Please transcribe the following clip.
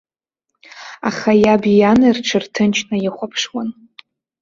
Аха иани иаби рҽырҭынчны ихәаԥшуан.